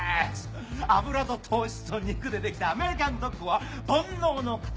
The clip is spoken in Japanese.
油と糖質と肉でできたアメリカンドッグは煩悩の塊！